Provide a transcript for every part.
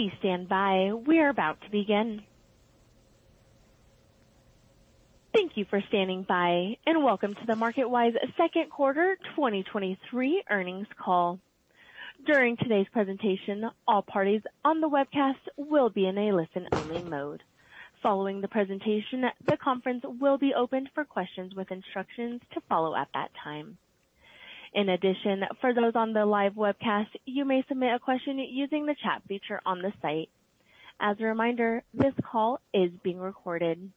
Please stand by. We are about to begin. Thank you for standing by, welcome to the MarketWise second quarter 2023 earnings call. During today's presentation, all parties on the webcast will be in a listen-only mode. Following the presentation, the conference will be opened for questions with instructions to follow at that time. In addition, for those on the live webcast, you may submit a question using the chat feature on the site. As a reminder, this call is being recorded.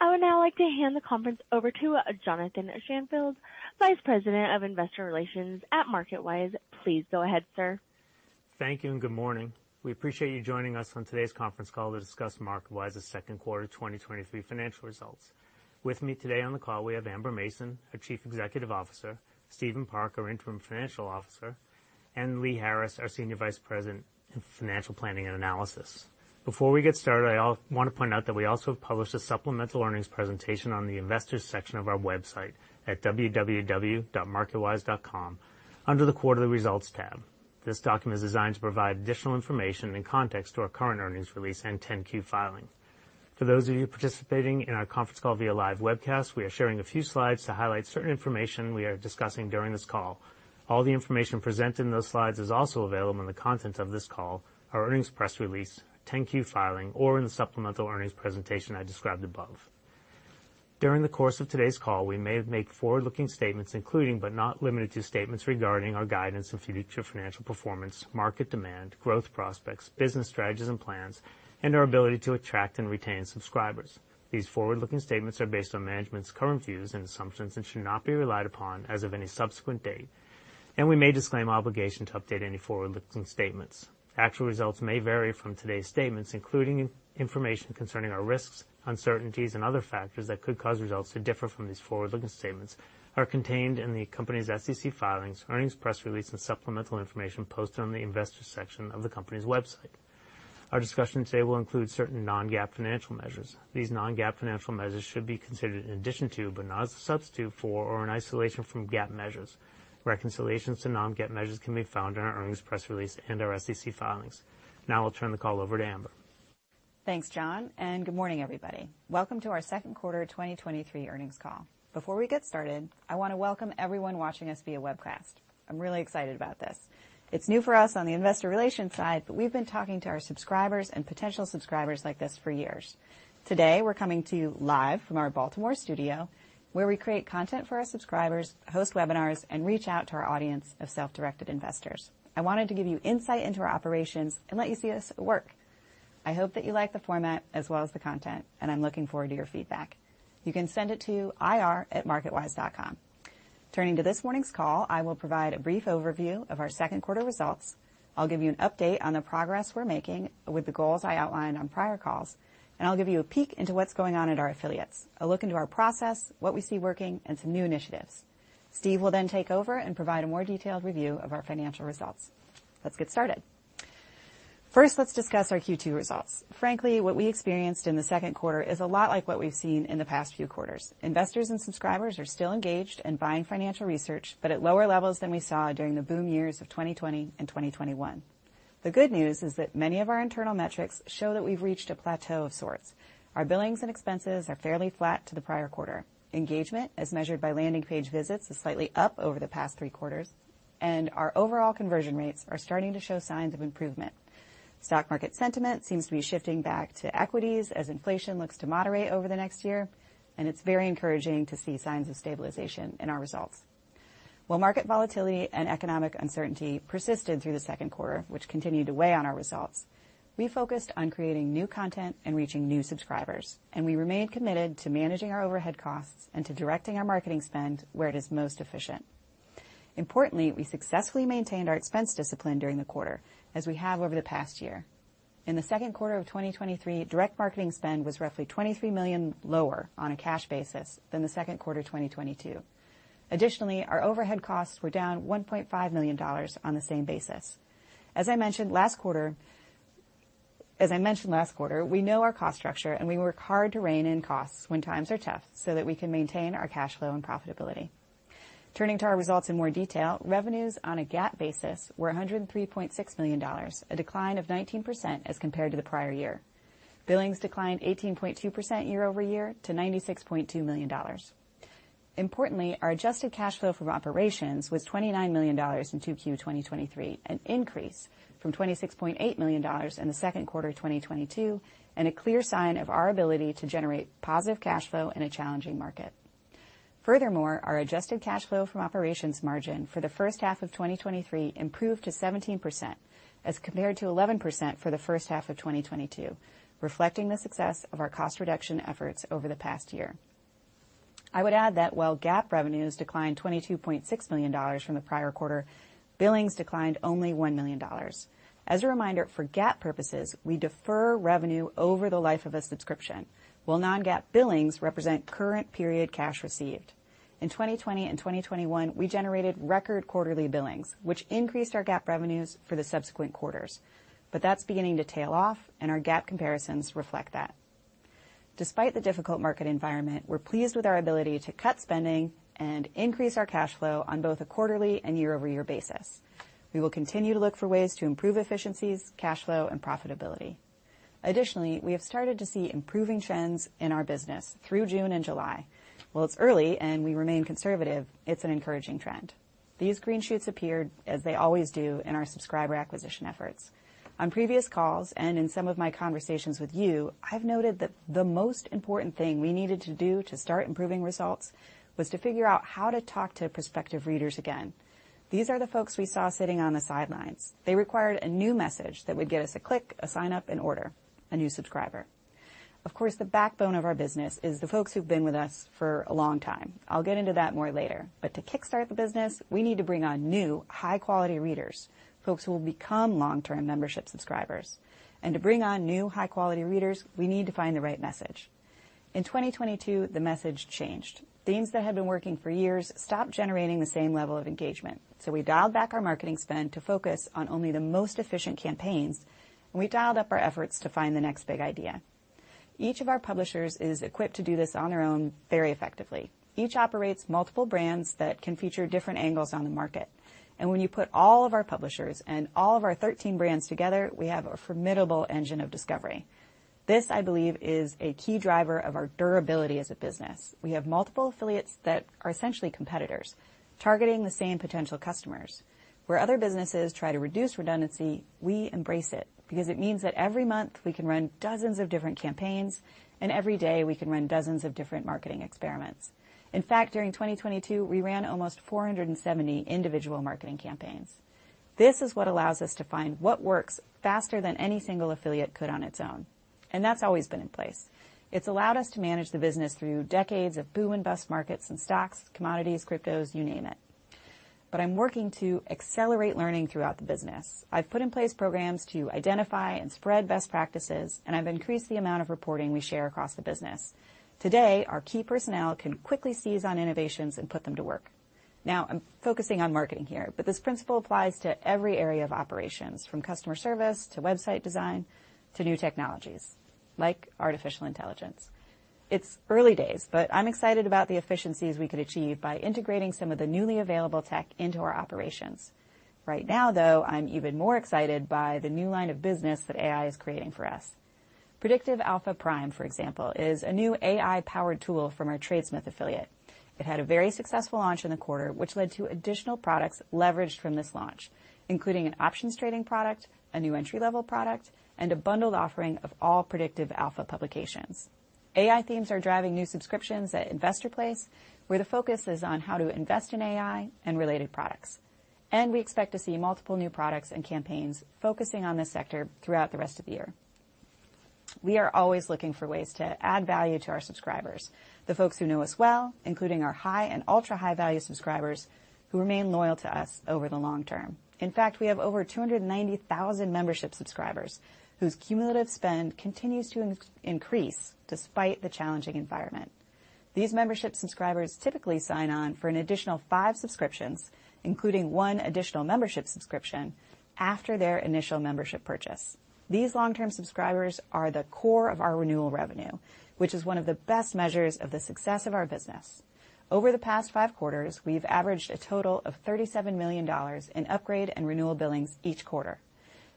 I would now like to hand the conference over to Jonathan Shanfield, Vice President of Investor Relations at MarketWise. Please go ahead, sir. Thank you. Good morning. We appreciate you joining us on today's conference call to discuss MarketWise's second quarter 2023 financial results. With me today on the call, we have Amber Mason, our Chief Executive Officer, Stephen Park, Interim Chief Financial Officer, and Lee Harris, our Senior Vice President, Financial Planning & Analysis. Before we get started, I want to point out that we also have published a supplemental earnings presentation on the Investors section of our website at www.marketwise.com under the Quarterly Results tab. This document is designed to provide additional information and context to our current earnings release and 10-Q filing. For those of you participating in our conference call via live webcast, we are sharing a few slides to highlight certain information we are discussing during this call. All the information presented in those slides is also available in the content of this call, our earnings press release, 10-Q filing, or in the supplemental earnings presentation I described above. During the course of today's call, we may make forward-looking statements, including but not limited to statements regarding our guidance and future financial performance, market demand, growth prospects, business strategies and plans, and our ability to attract and retain subscribers. These forward-looking statements are based on management's current views and assumptions and should not be relied upon as of any subsequent date, and we may disclaim obligation to update any forward-looking statements. Actual results may vary from today's statements, including information concerning our risks, uncertainties, and other factors that could cause results to differ from these forward-looking statements are contained in the company's SEC filings, earnings press release, and supplemental information posted on the Investors section of the company's website. Our discussion today will include certain non-GAAP financial measures. These non-GAAP financial measures should be considered in addition to, but not as a substitute for or in isolation from GAAP measures. Reconciliations to non-GAAP measures can be found in our earnings press release and our SEC filings. Now I'll turn the call over to Amber. Thanks, John. Good morning, everybody. Welcome to our second quarter 2023 earnings call. Before we get started, I want to welcome everyone watching us via webcast. I'm really excited about this. It's new for us on the investor relations side, but we've been talking to our subscribers and potential subscribers like this for years. Today, we're coming to you live from our Baltimore studio, where we create content for our subscribers, host webinars, and reach out to our audience of self-directed investors. I wanted to give you insight into our operations and let you see us work. I hope that you like the format as well as the content. I'm looking forward to your feedback. You can send it to ir@marketwise.com. Turning to this morning's call, I will provide a brief overview of our second quarter results. I'll give you an update on the progress we're making with the goals I outlined on prior calls, and I'll give you a peek into what's going on at our affiliates, a look into our process, what we see working, and some new initiatives. Steve will take over and provide a more detailed review of our financial results. Let's get started. First, let's discuss our Q2 results. Frankly, what we experienced in the second quarter is a lot like what we've seen in the past few quarters. Investors and subscribers are still engaged and buying financial research, but at lower levels than we saw during the boom years of 2020 and 2021. The good news is that many of our internal metrics show that we've reached a plateau of sorts. Our billings and expenses are fairly flat to the prior quarter. Engagement, as measured by landing page visits, is slightly up over the past three quarters. Our overall conversion rates are starting to show signs of improvement. Stock market sentiment seems to be shifting back to equities as inflation looks to moderate over the next year. It's very encouraging to see signs of stabilization in our results. While market volatility and economic uncertainty persisted through the second quarter, which continued to weigh on our results, we focused on creating new content and reaching new subscribers. We remained committed to managing our overhead costs and to directing our marketing spend where it is most efficient. Importantly, we successfully maintained our expense discipline during the quarter, as we have over the past year. In the second quarter of 2023, direct marketing spend was roughly $23 million lower on a cash basis than the second quarter of 2022. Additionally, our overhead costs were down $1.5 million on the same basis. As I mentioned last quarter, we know our cost structure and we work hard to rein in costs when times are tough so that we can maintain our cash flow and profitability. Turning to our results in more detail, revenues on a GAAP basis were $103.6 million, a decline of 19% as compared to the prior year. Billings declined 18.2% year-over-year to $96.2 million. Importantly, our adjusted cash flow from operations was $29 million in 2Q 2023, an increase from $26.8 million in the second quarter of 2022, and a clear sign of our ability to generate positive cash flow in a challenging market. Furthermore, our adjusted cash flow from operations margin for the first half of 2023 improved to 17%, as compared to 11% for the first half of 2022, reflecting the success of our cost reduction efforts over the past year. I would add that while GAAP revenues declined $22.6 million from the prior quarter, billings declined only $1 million. As a reminder, for GAAP purposes, we defer revenue over the life of a subscription, while non-GAAP billings represent current period cash received. In 2020 and 2021, we generated record quarterly billings, which increased our GAAP revenues for the subsequent quarters. That's beginning to tail off and our GAAP comparisons reflect that. Despite the difficult market environment, we're pleased with our ability to cut spending and increase our cash flow on both a quarterly and year-over-year basis. We will continue to look for ways to improve efficiencies, cash flow, and profitability. Additionally, we have started to see improving trends in our business through June and July. While it's early, and we remain conservative, it's an encouraging trend. These green shoots appeared, as they always do, in our subscriber acquisition efforts. On previous calls, and in some of my conversations with you, I've noted that the most important thing we needed to do to start improving results was to figure out how to talk to prospective readers again. These are the folks we saw sitting on the sidelines. They required a new message that would get us a click, a sign-up, and order, a new subscriber. Of course, the backbone of our business is the folks who've been with us for a long time. I'll get into that more later, to kickstart the business, we need to bring on new, high-quality readers, folks who will become long-term membership subscribers. To bring on new, high-quality readers, we need to find the right message. In 2022, the message changed. Themes that had been working for years stopped generating the same level of engagement, so we dialed back our marketing spend to focus on only the most efficient campaigns, and we dialed up our efforts to find the next Big Ideas. Each of our publishers is equipped to do this on their own very effectively. Each operates multiple brands that can feature different angles on the market, and when you put all of our publishers and all of our 13 brands together, we have a formidable engine of discovery. This, I believe, is a key driver of our durability as a business. We have multiple affiliates that are essentially competitors, targeting the same potential customers. Where other businesses try to reduce redundancy, we embrace it because it means that every month, we can run dozens of different campaigns, and every day we can run dozens of different marketing experiments. In fact, during 2022, we ran almost 470 individual marketing campaigns. This is what allows us to find what works faster than any single affiliate could on its own, and that's always been in place. It's allowed us to manage the business through decades of boom and bust markets in stocks, commodities, cryptos, you name it. I'm working to accelerate learning throughout the business. I've put in place programs to identify and spread best practices, and I've increased the amount of reporting we share across the business. Today, our key personnel can quickly seize on innovations and put them to work. Now, I'm focusing on marketing here, but this principle applies to every area of operations, from customer service to website design to new technologies, like artificial intelligence. It's early days, but I'm excited about the efficiencies we could achieve by integrating some of the newly available tech into our operations. Right now, though, I'm even more excited by the new line of business that AI is creating for us. Predictive Alpha Prime, for example, is a new AI-powered tool from our TradeSmith affiliate. It had a very successful launch in the quarter, which led to additional products leveraged from this launch, including an options trading product, a new entry-level product, and a bundled offering of all Predictive Alpha publications. AI themes are driving new subscriptions at InvestorPlace, where the focus is on how to invest in AI and related products. We expect to see multiple new products and campaigns focusing on this sector throughout the rest of the year. We are always looking for ways to add value to our subscribers, the folks who know us well, including our high and ultra-high-value subscribers, who remain loyal to us over the long term. In fact, we have over 290,000 membership subscribers whose cumulative spend continues to increase despite the challenging environment. These membership subscribers typically sign on for an additional 5 subscriptions, including 1 additional membership subscription after their initial membership purchase. These long-term subscribers are the core of our renewal revenue, which is one of the best measures of the success of our business. Over the past five quarters, we've averaged a total of $37 million in upgrade and renewal billings each quarter.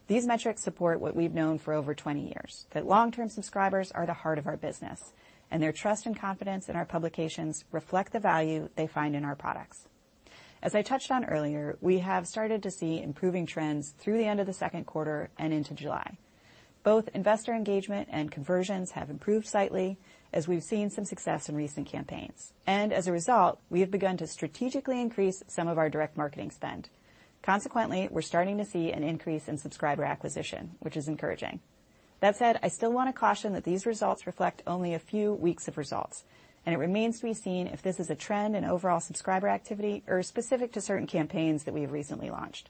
These metrics support what we've known for over 20 years, that long-term subscribers are the heart of our business, and their trust and confidence in our publications reflect the value they find in our products. As I touched on earlier, we have started to see improving trends through the end of the second quarter and into July. Both investor engagement and conversions have improved slightly as we've seen some success in recent campaigns, as a result, we have begun to strategically increase some of our direct marketing spend. Consequently, we're starting to see an increase in subscriber acquisition, which is encouraging. That said, I still want to caution that these results reflect only a few weeks of results, and it remains to be seen if this is a trend in overall subscriber activity or specific to certain campaigns that we have recently launched.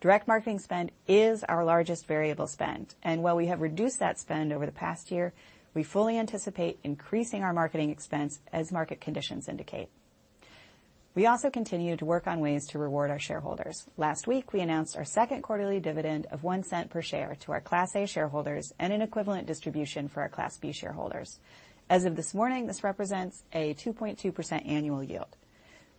Direct marketing spend is our largest variable spend, and while we have reduced that spend over the past year, we fully anticipate increasing our marketing expense as market conditions indicate. We also continue to work on ways to reward our shareholders. Last week, we announced our second quarterly dividend of $0.01 per share to our Class A shareholders and an equivalent distribution for our Class B shareholders. As of this morning, this represents a 2.2% annual yield.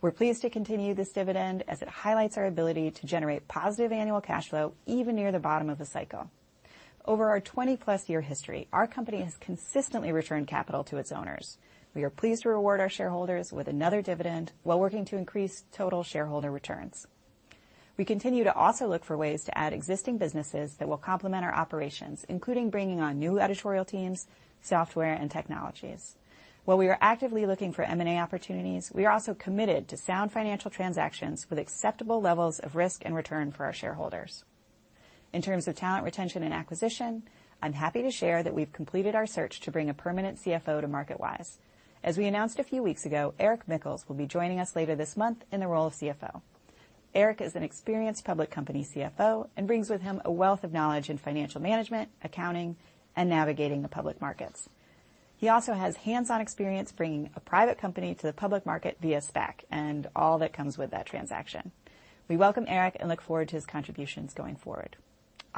We're pleased to continue this dividend as it highlights our ability to generate positive annual cash flow even near the bottom of the cycle. Over our 20-plus year history, our company has consistently returned capital to its owners. We are pleased to reward our shareholders with another dividend while working to increase total shareholder returns. We continue to also look for ways to add existing businesses that will complement our operations, including bringing on new editorial teams, software, and technologies. While we are actively looking for M&A opportunities, we are also committed to sound financial transactions with acceptable levels of risk and return for our shareholders. In terms of talent, retention, and acquisition, I'm happy to share that we've completed our search to bring a permanent CFO to MarketWise. As we announced a few weeks ago, Erik Mickels will be joining us later this month in the role of CFO. Erik is an experienced public company CFO and brings with him a wealth of knowledge in financial management, accounting, and navigating the public markets. He also has hands-on experience bringing a private company to the public market via SPAC and all that comes with that transaction. We welcome Erik and look forward to his contributions going forward.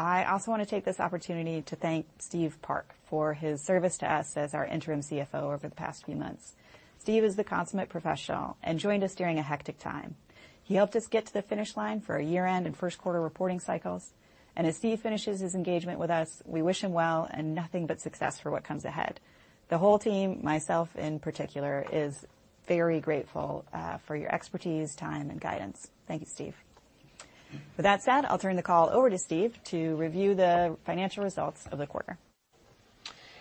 I also want to take this opportunity to thank Stephen Park for his service to us as our interim CFO over the past few months. Steve is the consummate professional and joined us during a hectic time. He helped us get to the finish line for our year-end and first quarter reporting cycles, as Steve finishes his engagement with us, we wish him well and nothing but success for what comes ahead. The whole team, myself in particular, is very grateful for your expertise, time, and guidance. Thank you, Steve. With that said, I'll turn the call over to Steve to review the financial results of the quarter.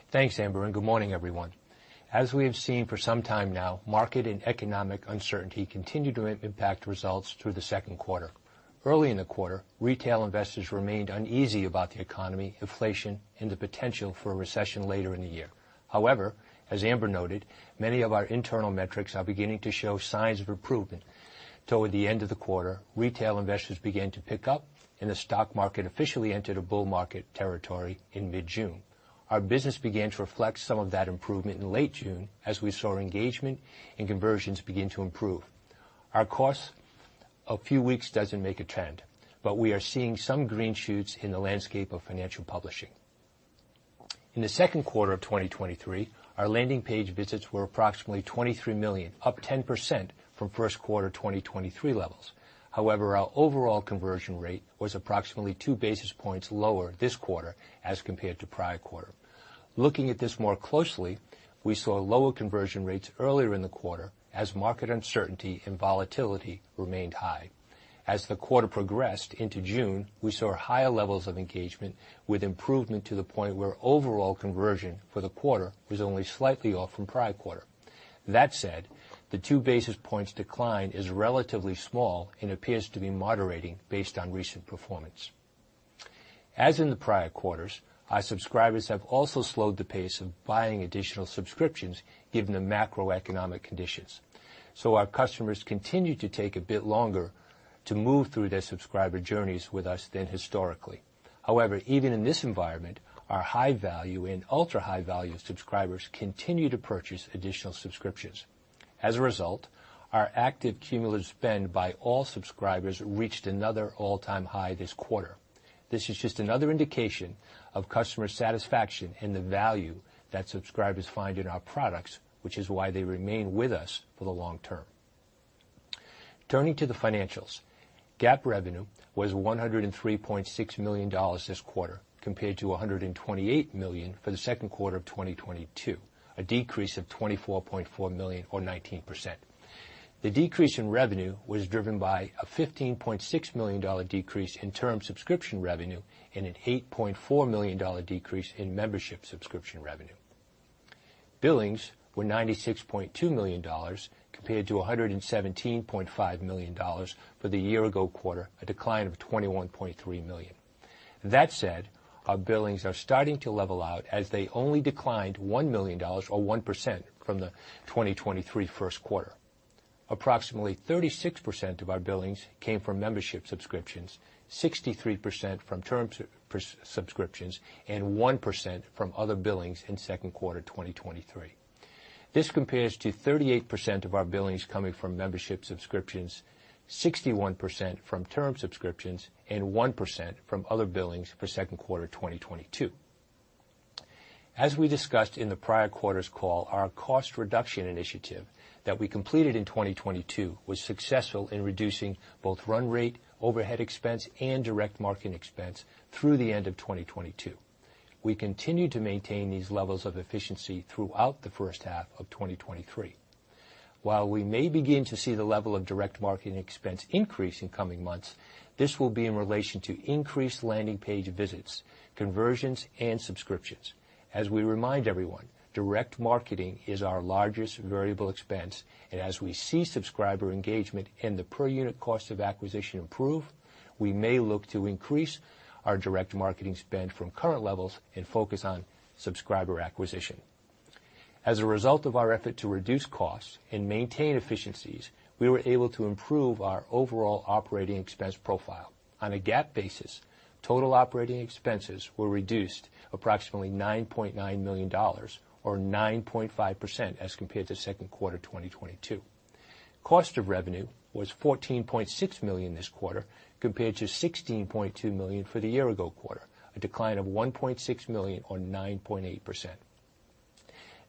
Thanks, Amber, and good morning, everyone. As we have seen for some time now, market and economic uncertainty continued to impact results through the second quarter. Early in the quarter, retail investors remained uneasy about the economy, inflation, and the potential for a recession later in the year. However, as Amber noted, many of our internal metrics are beginning to show signs of improvement. Toward the end of the quarter, retail investors began to pick up, and the stock market officially entered a bull market territory in mid-June. Our business began to reflect some of that improvement in late June, as we saw engagement and conversions begin to improve. Our costs, a few weeks doesn't make a trend, but we are seeing some green shoots in the landscape of financial publishing. In the second quarter of 2023, our landing page visits were approximately 23 million, up 10% from first quarter 2023 levels. However, our overall conversion rate was approximately 2 basis points lower this quarter as compared to prior quarter. Looking at this more closely, we saw lower conversion rates earlier in the quarter as market uncertainty and volatility remained high. As the quarter progressed into June, we saw higher levels of engagement with improvement to the point where overall conversion for the quarter was only slightly off from prior quarter. That said, the 2 basis points decline is relatively small and appears to be moderating based on recent performance. As in the prior quarters, our subscribers have also slowed the pace of buying additional subscriptions, given the macroeconomic conditions. Our customers continue to take a bit longer to move through their subscriber journeys with us than historically. However, even in this environment, our high-value and ultra-high-value subscribers continue to purchase additional subscriptions. As a result, our active cumulative spend by all subscribers reached another all-time high this quarter. This is just another indication of customer satisfaction and the value that subscribers find in our products, which is why they remain with us for the long term. Turning to the financials, GAAP revenue was $103.6 million this quarter, compared to $128 million for the second quarter of 2022, a decrease of $24.4 million, or 19%. The decrease in revenue was driven by a $15.6 million decrease in term subscription revenue and an $8.4 million decrease in membership subscription revenue. Billings were $96.2 million compared to $117.5 million for the year-ago quarter, a decline of $21.3 million. That said, our billings are starting to level out as they only declined $1 million or 1% from the 2023 first quarter. Approximately 36% of our billings came from membership subscriptions, 63% from term subscriptions, and 1% from other billings in second quarter 2023. This compares to 38% of our billings coming from membership subscriptions, 61% from term subscriptions, and 1% from other billings for second quarter 2022. As we discussed in the prior quarter's call, our cost reduction initiative that we completed in 2022 was successful in reducing both run rate, overhead expense, and direct marketing expense through the end of 2022. We continue to maintain these levels of efficiency throughout the first half of 2023. While we may begin to see the level of direct marketing expense increase in coming months, this will be in relation to increased landing page visits, conversions, and subscriptions. As we remind everyone, direct marketing is our largest variable expense, and as we see subscriber engagement and the per-unit cost of acquisition improve, we may look to increase our direct marketing spend from current levels and focus on subscriber acquisition. As a result of our effort to reduce costs and maintain efficiencies, we were able to improve our overall operating expense profile. On a GAAP basis, total operating expenses were reduced approximately $9.9 million or 9.5% as compared to second quarter 2022. Cost of revenue was $14.6 million this quarter, compared to $16.2 million for the year-ago quarter, a decline of $1.6 million or 9.8%.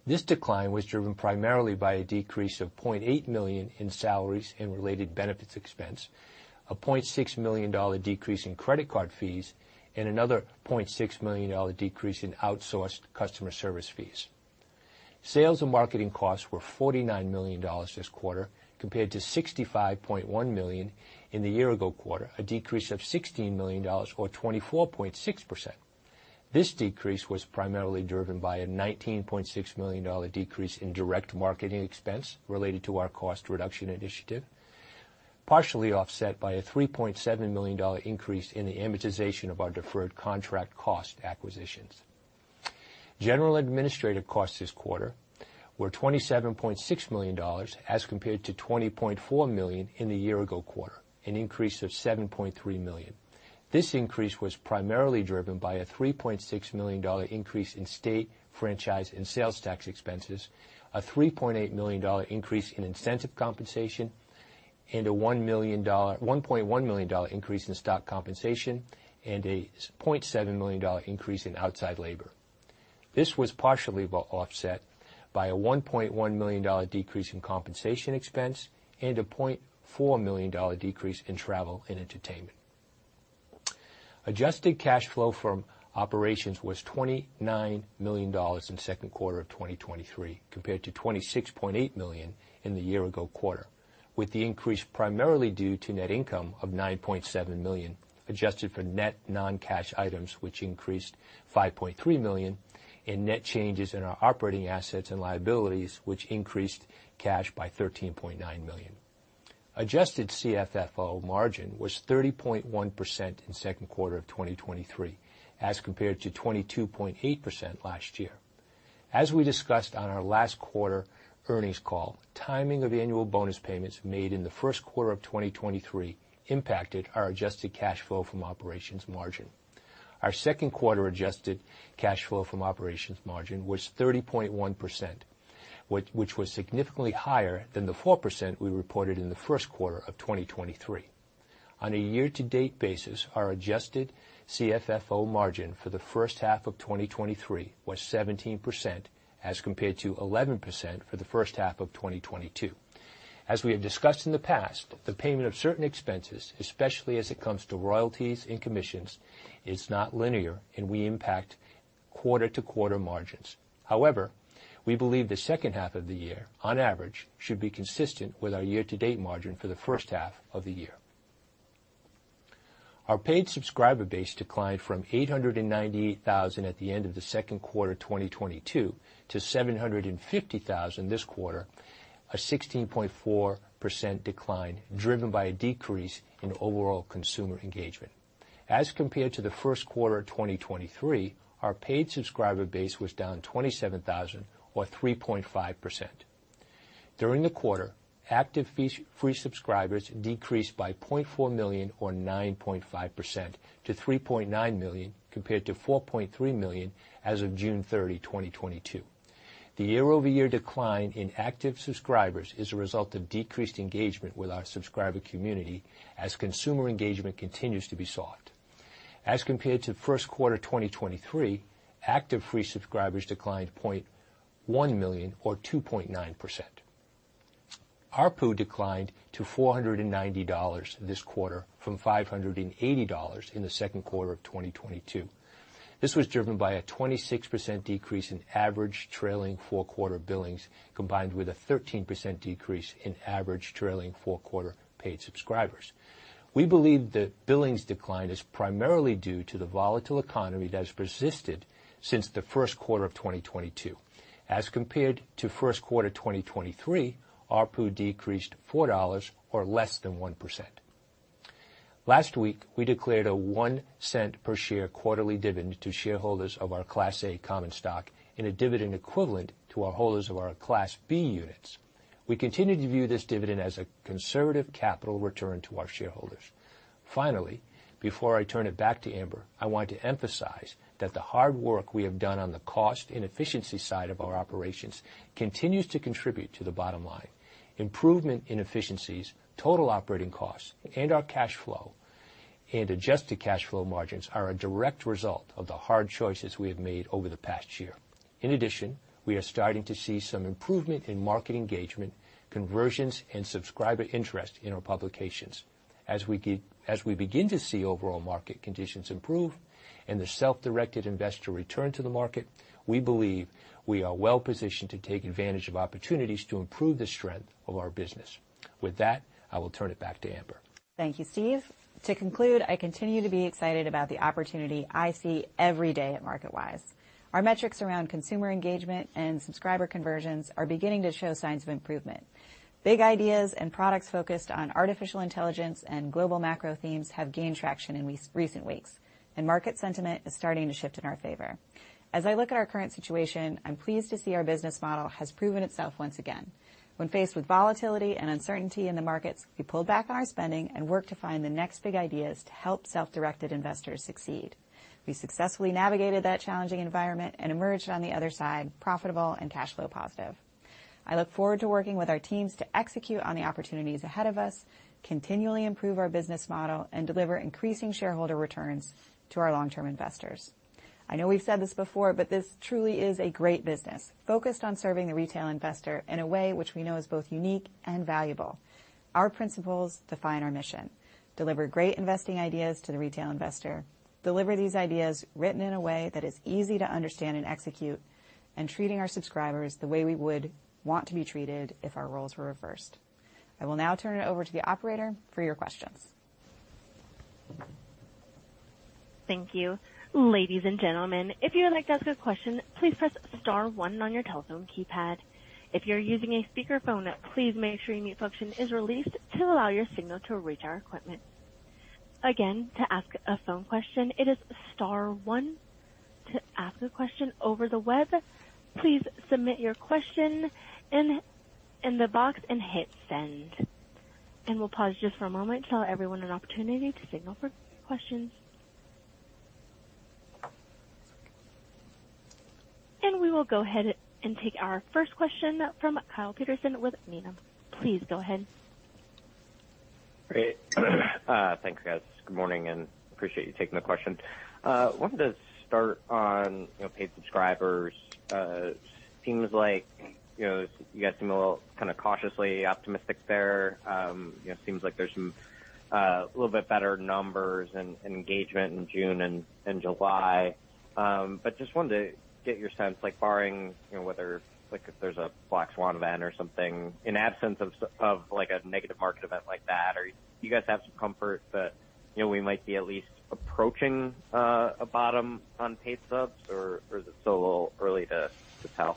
This decline was driven primarily by a decrease of $0.8 million in salaries and related benefits expense, a $0.6 million decrease in credit card fees, and another $0.6 million decrease in outsourced customer service fees. Sales and marketing costs were $49 million this quarter, compared to $65.1 million in the year-ago quarter, a decrease of $16 million or 24.6%. This decrease was primarily driven by a $19.6 million decrease in direct marketing expense related to our cost reduction initiative, partially offset by a $3.7 million increase in the amortization of our deferred contract cost acquisitions. General administrative costs this quarter were $27.6 million as compared to $20.4 million in the year-ago quarter, an increase of $7.3 million. This increase was primarily driven by a $3.6 million increase in state, franchise, and sales tax expenses, a $3.8 million increase in incentive compensation, and a $1.1 million increase in stock compensation and a $0.7 million increase in outside labor. This was partially offset by a $1.1 million decrease in compensation expense and a $0.4 million decrease in travel and entertainment. Adjusted cash flow from operations was $29 million in 2Q of 2023, compared to $26.8 million in the year-ago quarter, with the increase primarily due to net income of $9.7 million, adjusted for net non-cash items, which increased $5.3 million, and net changes in our operating assets and liabilities, which increased cash by $13.9 million. Adjusted CFFO margin was 30.1% in 2Q of 2023, as compared to 22.8% last year. As we discussed on our last quarter earnings call, timing of annual bonus payments made in the 1Q of 2023 impacted our adjusted cash flow from operations margin. Our second quarter adjusted cash flow from operations margin was 30.1%, which was significantly higher than the 4% we reported in the 1Q of 2023. On a year-to-date basis, our adjusted CFFO margin for the first half of 2023 was 17%, as compared to 11% for the first half of 2022. As we have discussed in the past, the payment of certain expenses, especially as it comes to royalties and commissions, is not linear, and we impact quarter-to-quarter margins. However, we believe the second half of the year, on average, should be consistent with our year-to-date margin for the first half of the year. Our paid subscriber base declined from 898,000 at the end of the second quarter of 2022 to 750,000 this quarter, a 16.4% decline, driven by a decrease in overall consumer engagement. As compared to the first quarter of 2023, our paid subscriber base was down 27,000, or 3.5%. During the quarter, active fee-free subscribers decreased by 0.4 million, or 9.5%, to 3.9 million, compared to 4.3 million as of June 30th, 2022. The year-over-year decline in active subscribers is a result of decreased engagement with our subscriber community as consumer engagement continues to be soft. As compared to the first quarter of 2023, active free subscribers declined 0.1 million, or 2.9%. ARPU declined to $490 this quarter from $580 in the second quarter of 2022. This was driven by a 26% decrease in average trailing four-quarter billings, combined with a 13% decrease in average trailing four-quarter paid subscribers. We believe the billings decline is primarily due to the volatile economy that has persisted since the first quarter of 2022. As compared to first quarter 2023, ARPU decreased $4, or less than 1%. Last week, we declared a $0.01 per share quarterly dividend to shareholders of our Class A common stock in a dividend equivalent to our holders of our Class B units. We continue to view this dividend as a conservative capital return to our shareholders. Finally, before I turn it back to Amber, I want to emphasize that the hard work we have done on the cost and efficiency side of our operations continues to contribute to the bottom line. Improvement in efficiencies, total operating costs, and our cash flow and adjusted cash flow margins are a direct result of the hard choices we have made over the past year. In addition, we are starting to see some improvement in market engagement, conversions, and subscriber interest in our publications. As we begin to see overall market conditions improve and the self-directed investor return to the market, we believe we are well positioned to take advantage of opportunities to improve the strength of our business. With that, I will turn it back to Amber. Thank you, Steve. To conclude, I continue to be excited about the opportunity I see every day at MarketWise. Our metrics around consumer engagement and subscriber conversions are beginning to show signs of improvement. Big Ideas and products focused on artificial intelligence and global macro themes have gained traction in recent weeks, and market sentiment is starting to shift in our favor. As I look at our current situation, I'm pleased to see our business model has proven itself once again. When faced with volatility and uncertainty in the markets, we pulled back on our spending and worked to find the next Big Ideas to help self-directed investors succeed. We successfully navigated that challenging environment and emerged on the other side profitable and cash flow positive. I look forward to working with our teams to execute on the opportunities ahead of us, continually improve our business model, and deliver increasing shareholder returns to our long-term investors. I know we've said this before, but this truly is a great business focused on serving the retail investor in a way which we know is both unique and valuable. Our principles define our mission: deliver great investing ideas to the retail investor, deliver these ideas written in a way that is easy to understand and execute, and treating our subscribers the way we would want to be treated if our roles were reversed. I will now turn it over to the operator for your questions. Thank you. Ladies and gentlemen, if you would like to ask a question, please press star one on your telephone keypad. If you're using a speakerphone, please make sure your mute function is released to allow your signal to reach our equipment. Again, to ask a phone question, it is star one. To ask a question over the web, please submit your question in the box and hit send. We'll pause just for a moment to allow everyone an opportunity to signal for questions. We will go ahead and take our first question from Kyle Peterson with Needham. Please go ahead. Great. Thanks, guys. Good morning, appreciate you taking the question. Wanted to start on, you know, paid subscribers. Seems like, you know, you guys seem a little kind of cautiously optimistic there. You know, seems like there's some little bit better numbers and, and engagement in June and, and July. Just wanted to get your sense, like barring, you know, whether, like, if there's a black swan event or something, in absence of, like, a negative market event like that, or do you guys have some comfort that, you know, we might be at least approaching a bottom on paid subs, or, or is it still a little early to, to tell?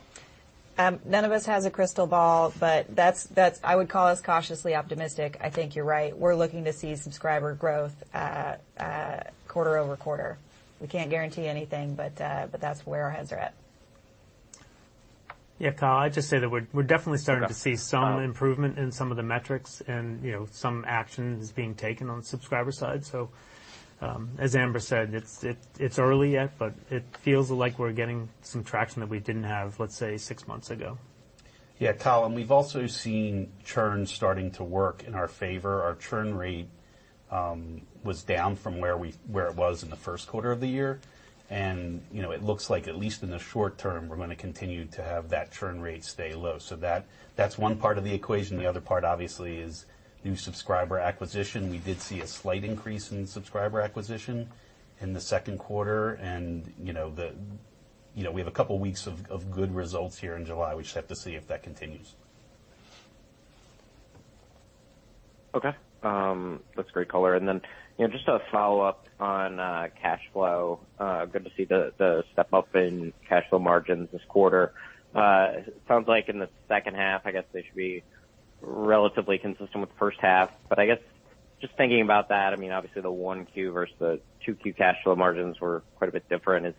None of us has a crystal ball, but that's I would call us cautiously optimistic. I think you're right. We're looking to see subscriber growth at quarter over quarter. We can't guarantee anything, but that's where our heads are at. Yeah, Kyle, I'd just say that we're, we're definitely starting to see some improvement in some of the metrics and, you know, some action is being taken on the subscriber side. As Amber said, it's, it, it's early yet, but it feels like we're getting some traction that we didn't have, let's say, six months ago. Yeah, Kyle, we've also seen churn starting to work in our favor. Our churn rate was down from where it was in the first quarter of the year, you know, it looks like at least in the short term, we're gonna continue to have that churn rate stay low. That, that's one part of the equation. The other part, obviously, is new subscriber acquisition. We did see a slight increase in subscriber acquisition in the second quarter and, you know, we have a couple weeks of, of good results here in July. We just have to see if that continues. Okay. That's great color. You know, just a follow-up on cash flow. Good to see the step-up in cash flow margins this quarter. Sounds like in the second half, I guess they should be relatively consistent with the first half. I guess just thinking about that, I mean, obviously the 1Q versus the 2Q cash flow margins were quite a bit different.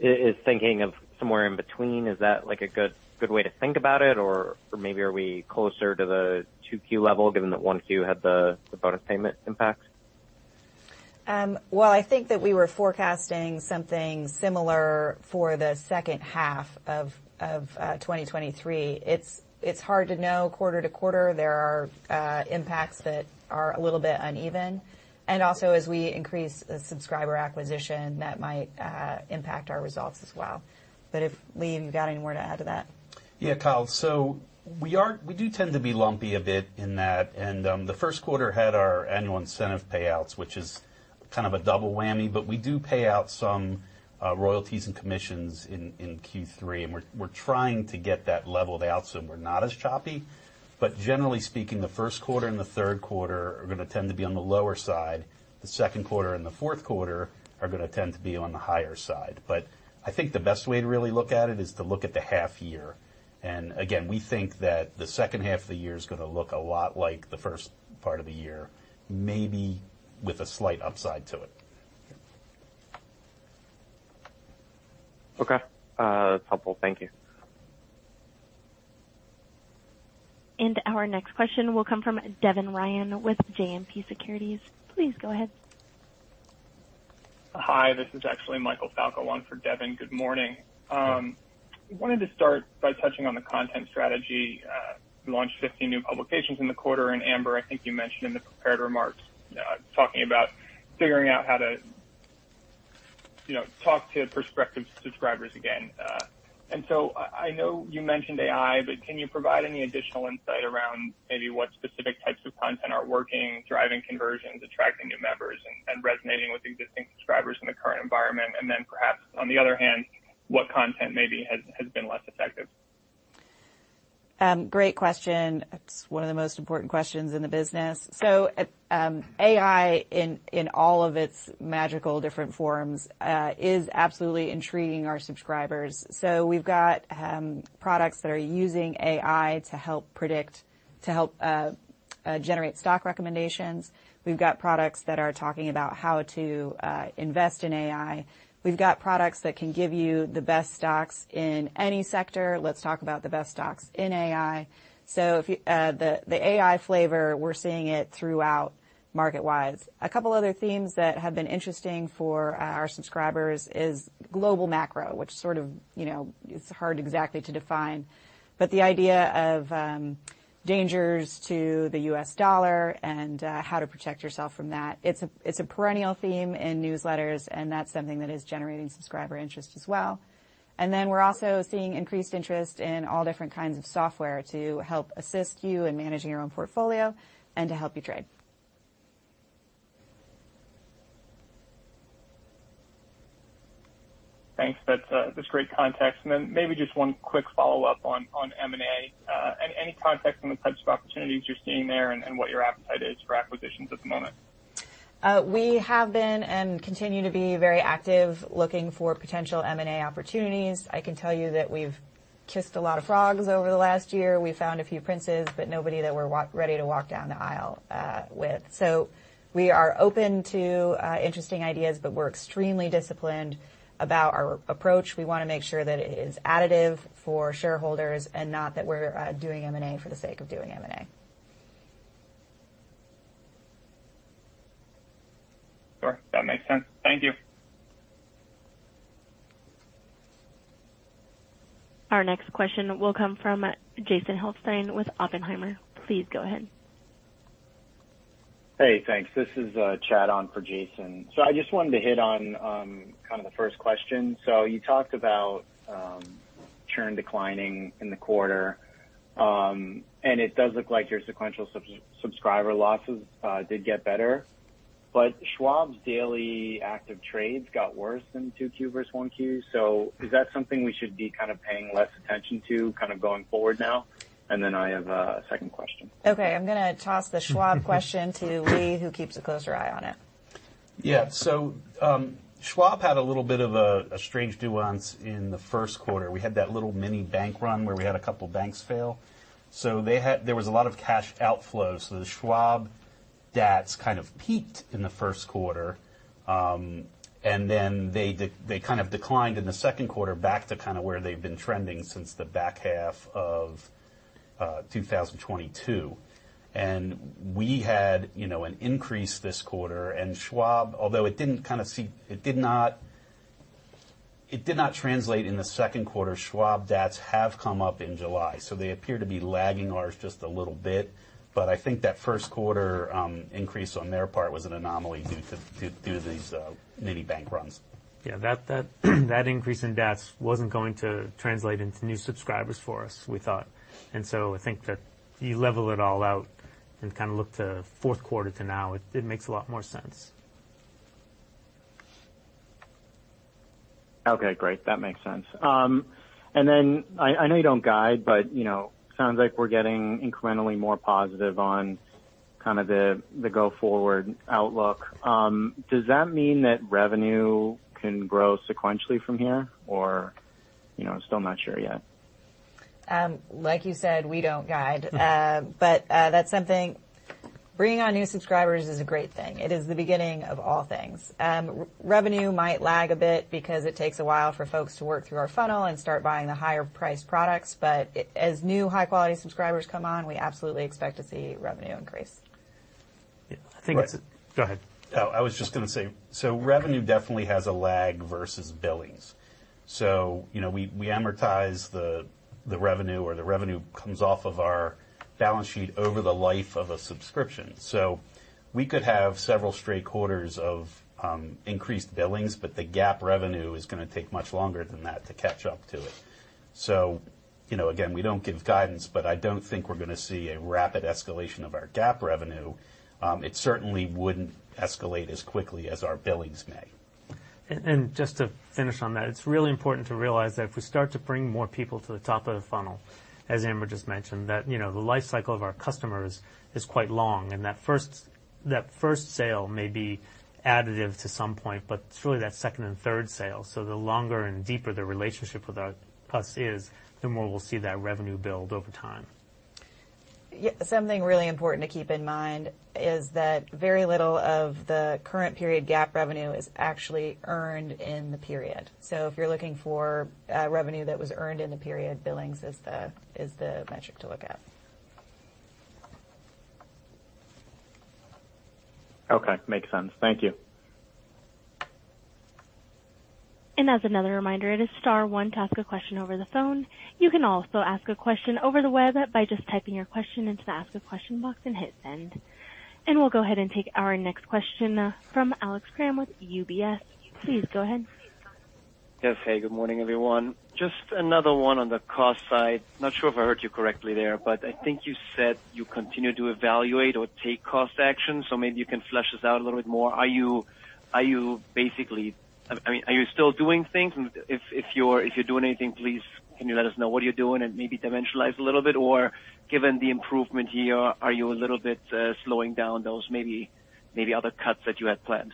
Is thinking of somewhere in between, is that, like, a good way to think about it? Maybe are we closer to the 2Q level, given that 1Q had the bonus payment impact? Well, I think that we were forecasting something similar for the second half of 2023. It's hard to know quarter to quarter. There are impacts that are a little bit uneven, and also, as we increase the subscriber acquisition, that might impact our results as well. If, Lee, you've got any more to add to that. Yeah, Kyle. We do tend to be lumpy a bit in that, and the first quarter had our annual incentive payouts, which is kind of a double whammy, but we do pay out some royalties and commissions in Q3, and we're trying to get that leveled out so we're not as choppy. Generally speaking, the first quarter and the third quarter are gonna tend to be on the lower side. The second quarter and the fourth quarter are gonna tend to be on the higher side. I think the best way to really look at it is to look at the half year. Again, we think that the second half of the year is gonna look a lot like the first part of the year, maybe with a slight upside to it. Okay. That's helpful. Thank you. Our next question will come from Devin Ryan with JMP Securities. Please go ahead. Hi, this is actually Michael Falco on for Devin. Good morning. Wanted to start by touching on the content strategy. You launched 50 new publications in the quarter. Amber, I think you mentioned in the prepared remarks, talking about figuring out how to, you know, talk to prospective subscribers again. I know you mentioned AI, but can you provide any additional insight around maybe what specific types of content are working, driving conversions, attracting new members, and resonating with existing subscribers in the current environment? Then perhaps, on the other hand, what content maybe has been less effective? Great question. It's one of the most important questions in the business. AI in, in all of its magical different forms, is absolutely intriguing our subscribers. We've got products that are using AI to help predict, to help generate stock recommendations. We've got products that are talking about how to invest in AI. We've got products that can give you the best stocks in any sector. Let's talk about the best stocks in AI. If you, the, the AI flavor, we're seeing it throughout MarketWise. A couple other themes that have been interesting for our subscribers is global macro, which sort of, you know, it's hard exactly to define, but the idea of dangers to the US dollar and how to protect yourself from that. It's a, it's a perennial theme in newsletters, and that's something that is generating subscriber interest as well. Then we're also seeing increased interest in all different kinds of software to help assist you in managing your own portfolio and to help you trade. Thanks. That's, that's great context. Maybe just one quick follow-up on, on M&A. Any, any context on the types of opportunities you're seeing there and, and what your appetite is for acquisitions at the moment? We have been and continue to be very active looking for potential M&A opportunities. I can tell you that we've kissed a lot of frogs over the last year. We've found a few princes, but nobody that we're ready to walk down the aisle with. We are open to interesting ideas, but we're extremely disciplined about our approach. We want to make sure that it is additive for shareholders and not that we're doing M&A for the sake of doing M&A. Sure, that makes sense. Thank you. Our next question will come from Jason Helfstein with Oppenheimer. Please go ahead. Hey, thanks. This is Chad on for Jason. I just wanted to hit on, kind of the first question. You talked about churn declining in the quarter, and it does look like your sequential sub-subscriber losses did get better, but Schwab's daily active trades got worse than 2Q versus 1Q. Is that something we should be kind of paying less attention to kind of going forward now? Then I have a second question. Okay. I'm gonna toss the Schwab question to Lee, who keeps a closer eye on it. Yeah. Schwab had a little bit of a strange nuance in the first quarter. We had that little mini bank run where we had a couple banks fail, so there was a lot of cash outflows. The Schwab DATS kind of peaked in the first quarter, and then they, they kind of declined in the second quarter back to kind of where they've been trending since the back half of 2022. We had, you know, an increase this quarter. Schwab, although it didn't kind of see. It did not translate in the second quarter. Schwab DATS have come up in July, so they appear to be lagging ours just a little bit. I think that first quarter increase on their part was an anomaly due to these mini bank runs. Yeah, that increase in DATS wasn't going to translate into new subscribers for us, we thought. I think that you level it all out and kind of look to fourth quarter to now, it makes a lot more sense. Okay, great. That makes sense. Then I, I know you don't guide, but, you know, sounds like we're getting incrementally more positive on kind of the, the go-forward outlook. Does that mean that revenue can grow sequentially from here, or, you know, still not sure yet? Like you said, we don't guide. That's something, bringing on new subscribers is a great thing. It is the beginning of all things. Revenue might lag a bit because it takes a while for folks to work through our funnel and start buying the higher-priced products. As new, high-quality subscribers come on, we absolutely expect to see revenue increase. Yeah, I think that's it. Go ahead. I was just gonna say, revenue definitely has a lag versus billings. You know, we, we amortize the, the revenue, or the revenue comes off of our balance sheet over the life of a subscription. We could have several straight quarters of increased billings, but the GAAP revenue is gonna take much longer than that to catch up to it. You know, again, we don't give guidance, but I don't think we're gonna see a rapid escalation of our GAAP revenue. It certainly wouldn't escalate as quickly as our billings may. Just to finish on that, it's really important to realize that if we start to bring more people to the top of the funnel, as Amber just mentioned, that, you know, the life cycle of our customers is quite long, and that first, that first sale may be additive to some point, but it's really that second and third sale. The longer and deeper the relationship with us is, the more we'll see that revenue build over time. Yeah. Something really important to keep in mind is that very little of the current period GAAP revenue is actually earned in the period. So if you're looking for revenue that was earned in the period, billings is the, is the metric to look at. Okay. Makes sense. Thank you. As another reminder, it is star 1 to ask a question over the phone. You can also ask a question over the web by just typing your question into the Ask a Question box and hit send. We'll go ahead and take our next question from Alex Kramm with UBS. Please go ahead. Yes. Hey, good morning, everyone. Just another one on the cost side. Not sure if I heard you correctly there, but I think you said you continue to evaluate or take cost action, so maybe you can flesh this out a little bit more. Are you basically... I mean, are you still doing things? If you're doing anything, please, can you let us know what you're doing and maybe dimensionalize a little bit? Given the improvement here, are you a little bit slowing down those maybe other cuts that you had planned?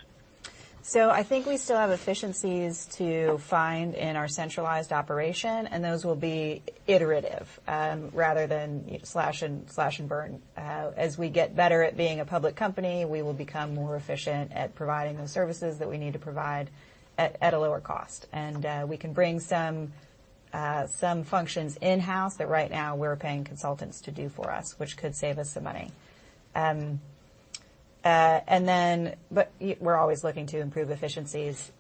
I think we still have efficiencies to find in our centralized operation, and those will be iterative, rather than slash and, slash and burn. As we get better at being a public company, we will become more efficient at providing those services that we need to provide at, at a lower cost. We can bring some functions in-house that right now we're paying consultants to do for us, which could save us some money. We're always looking to improve efficiencies.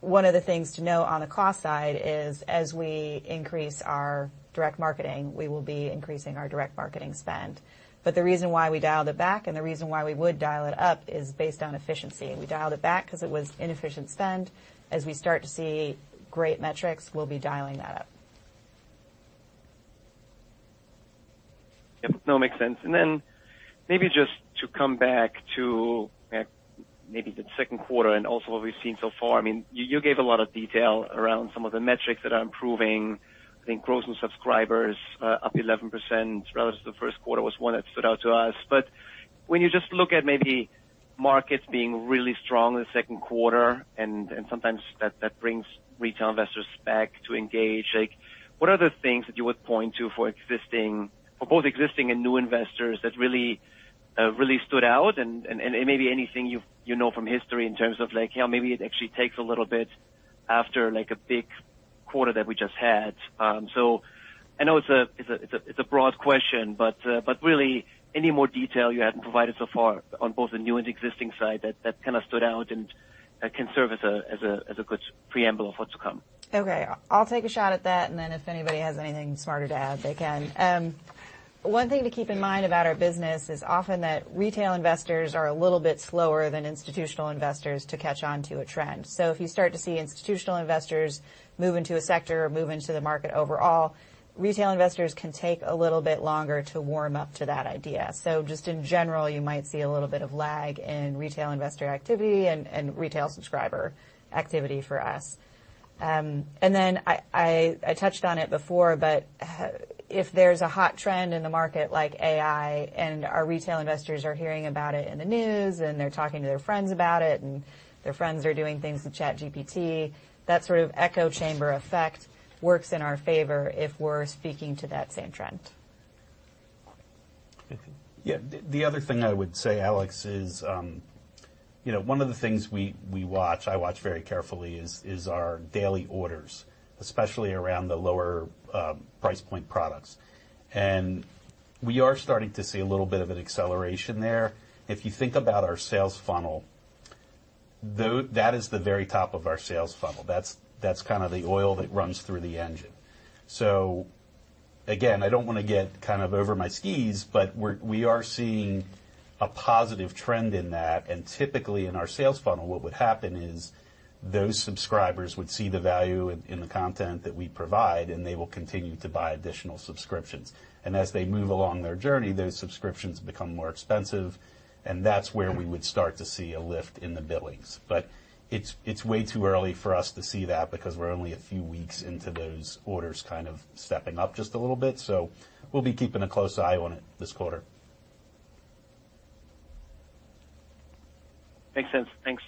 One of the things to know on the cost side is, as we increase our direct marketing, we will be increasing our direct marketing spend. The reason why we dialed it back, and the reason why we would dial it up is based on efficiency. We dialed it back because it was inefficient spend. As we start to see great metrics, we'll be dialing that up. Yep. No, makes sense. Then maybe just to come back to maybe the second quarter and also what we've seen so far. I mean, you, you gave a lot of detail around some of the metrics that are improving. I think gross and subscribers, up 11% relative to the first quarter was one that stood out to us. But when you just look at maybe markets being really strong in the second quarter, and, and sometimes that, that brings retail investors back to engage, like, what are the things that you would point to for existing- for both existing and new investors that really, really stood out? And, and, and maybe anything you've, you know, from history in terms of like, yeah, maybe it actually takes a little bit after, like, a big quarter that we just had. I know it's a, it's a, it's a broad question, but, but really, any more detail you hadn't provided so far on both the new and existing side that, that kind of stood out and, can serve as a, as a, as a good preamble of what's to come? Okay, I'll take a shot at that, and then if anybody has anything smarter to add, they can. One thing to keep in mind about our business is often that retail investors are a little bit slower than institutional investors to catch on to a trend. If you start to see institutional investors move into a sector or move into the market overall, retail investors can take a little bit longer to warm up to that idea. Just in general, you might see a little bit of lag in retail investor activity and retail subscriber activity for us. Then I, I, I touched on it before, but, if there's a hot trend in the market like AI, and our retail investors are hearing about it in the news, and they're talking to their friends about it, and their friends are doing things with ChatGPT, that sort of echo chamber effect works in our favor if we're speaking to that same trend. Yeah. The, the other thing I would say, Alex, is, you know, one of the things we, we watch, I watch very carefully is, is our daily orders, especially around the lower price point products. We are starting to see a little bit of an acceleration there. If you think about our sales funnel, that is the very top of our sales funnel. That's, that's kind of the oil that runs through the engine. Again, I don't wanna get kind of over my skis, but we are seeing a positive trend in that. Typically in our sales funnel, what would happen is those subscribers would see the value in, in the content that we provide, and they will continue to buy additional subscriptions. As they move along their journey, those subscriptions become more expensive, and that's where we would start to see a lift in the billings. It's way too early for us to see that because we're only a few weeks into those orders kind of stepping up just a little bit. We'll be keeping a close eye on it this quarter. Makes sense. Thanks.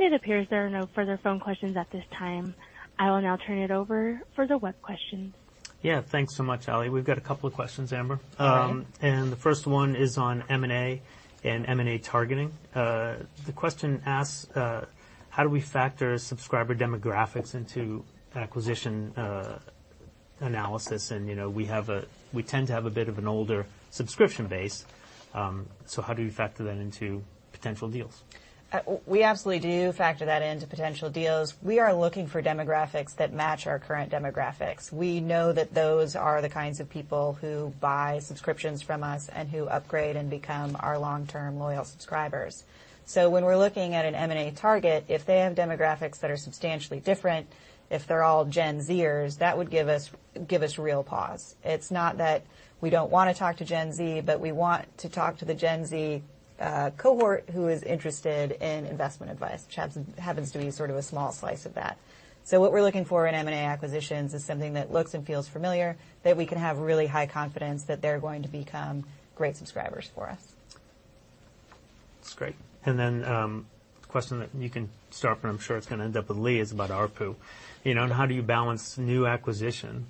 It appears there are no further phone questions at this time. I will now turn it over for the web questions. Yeah. Thanks so much, Allie. We've got a couple of questions, Amber. Go ahead. The first one is on M&A and M&A targeting. The question asks: How do we factor subscriber demographics into acquisition analysis? You know, we tend to have a bit of an older subscription base, so how do you factor that into potential deals? We absolutely do factor that into potential deals. We are looking for demographics that match our current demographics. We know that those are the kinds of people who buy subscriptions from us and who upgrade and become our long-term, loyal subscribers. When we're looking at an M&A target, if they have demographics that are substantially different, if they're all Gen Z-ers, that would give us, give us real pause. It's not that we don't wanna talk to Gen Z, but we want to talk to the Gen Z cohort who is interested in investment advice, which happens, happens to be sort of a small slice of that. What we're looking for in M&A acquisitions is something that looks and feels familiar, that we can have really high confidence that they're going to become great subscribers for us. That's great. The question that you can start, but I'm sure it's gonna end up with Lee, is about ARPU. You know, how do you balance new acquisition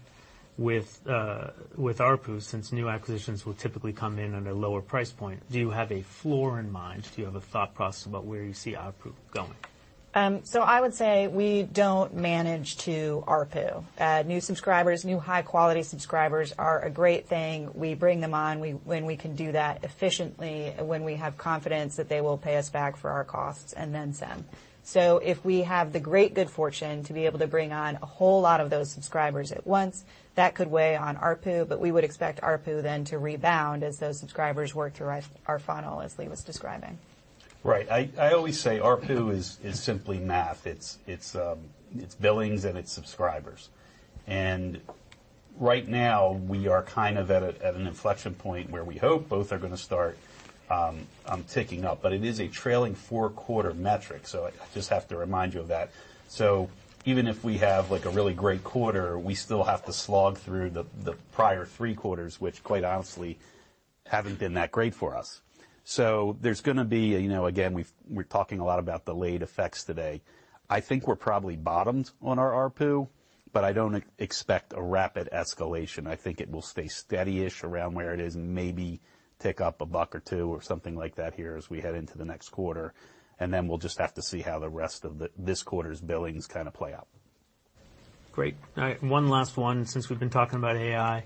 with ARPU, since new acquisitions will typically come in at a lower price point? Do you have a floor in mind? Do you have a thought process about where you see ARPU going? I would say we don't manage to ARPU. New subscribers, new high-quality subscribers are a great thing. We bring them on, when we can do that efficiently, when we have confidence that they will pay us back for our costs and then some. If we have the great good fortune to be able to bring on a whole lot of those subscribers at once, that could weigh on ARPU, but we would expect ARPU then to rebound as those subscribers work through our, our funnel, as Lee was describing. Right. I, I always say ARPU is, is simply math. It's, it's billings, and it's subscribers. Right now, we are kind of at an inflection point where we hope both are gonna start ticking up. It is a trailing four-quarter metric, so I just have to remind you of that. Even if we have, like, a really great quarter, we still have to slog through the prior three quarters, which, quite honestly, haven't been that great for us. There's gonna be, you know, again, we're talking a lot about delayed effects today. I think we're probably bottomed on our ARPU, but I don't expect a rapid escalation. I think it will stay steady-ish around where it is and maybe tick up $1 or $2, or something like that here as we head into the next quarter, and then we'll just have to see how the rest of the, this quarter's billings kind of play out. Great. All right, one last one, since we've been talking about AI.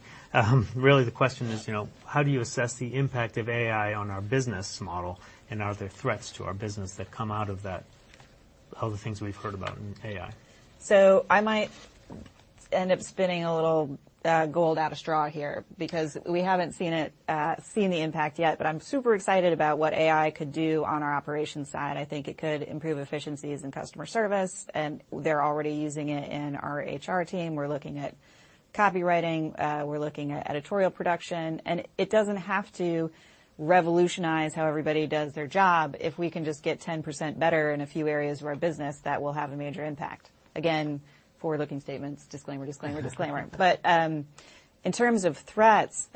Really the question is, you know, how do you assess the impact of AI on our business model, and are there threats to our business that come out of that, all the things we've heard about in AI? I might end up spinning a little gold out of straw here because we haven't seen it, seen the impact yet. I'm super excited about what AI could do on our operations side. I think it could improve efficiencies in customer service, and they're already using it in our HR team. We're looking at copywriting, we're looking at editorial production, and it doesn't have to revolutionize how everybody does their job. If we can just get 10% better in a few areas of our business, that will have a major impact. Again, forward-looking statements, disclaimer, disclaimer, disclaimer. In terms of threats,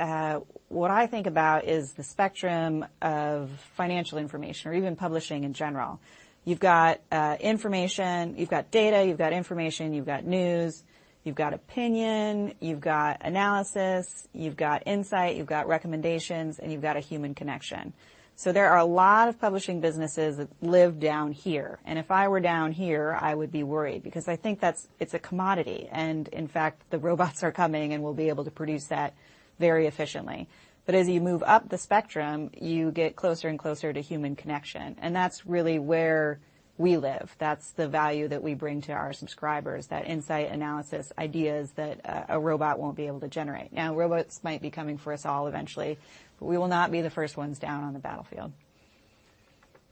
what I think about is the spectrum of financial information or even publishing in general. You've got information, you've got data, you've got information, you've got news, you've got opinion, you've got analysis, you've got insight, you've got recommendations, and you've got a human connection. There are a lot of publishing businesses that live down here, and if I were down here, I would be worried because I think it's a commodity, and in fact, the robots are coming and will be able to produce that very efficiently. As you move up the spectrum, you get closer and closer to human connection, and that's really where we live. That's the value that we bring to our subscribers, that insight, analysis, ideas that a robot won't be able to generate. Robots might be coming for us all eventually, but we will not be the first ones down on the battlefield.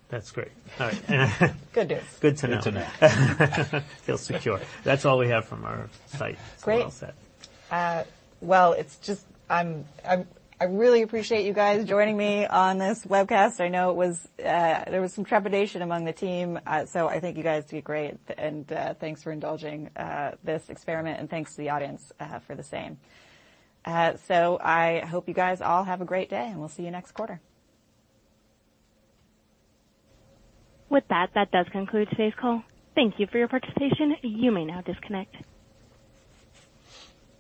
That's great. All right. Good news. Good to know. Good to know. Feel secure. That's all we have from our site. Great! We're all set. Well, it's just... I really appreciate you guys joining me on this webcast. I know it was, there was some trepidation among the team, so I think you guys did great, and thanks for indulging this experiment, and thanks to the audience for the same. I hope you guys all have a great day, and we'll see you next quarter. With that, that does conclude today's call. Thank you for your participation. You may now disconnect.